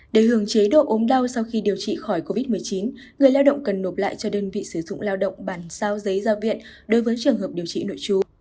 để hưởng chế độ ốm đau sau khi điều trị khỏi covid một mươi chín người lao động cần nộp lại cho đơn vị sử dụng lao động bản sao giấy ra viện đối với trường hợp điều trị nội chú